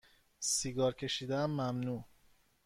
سیگار کشیدن ممنوع